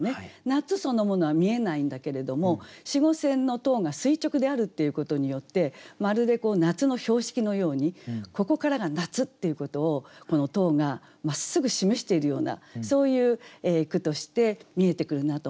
夏そのものは見えないんだけれども子午線の塔が垂直であるっていうことによってまるで夏の標識のようにここからが夏っていうことをこの塔がまっすぐ示しているようなそういう句として見えてくるなと思いました。